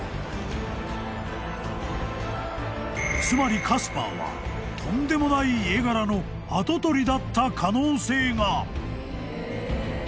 ［つまりカスパーはとんでもない家柄の跡取りだった可能性が！］